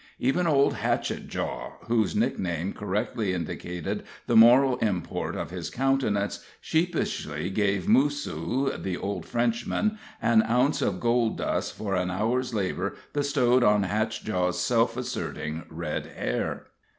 Even old Hatchetjaw, whose nickname correctly indicated the moral import of his countenance, sheepishly gave Moosoo, the old Frenchman, an ounce of gold dust for an hour's labor bestowed on Hatchetjaw's self asserting red hair.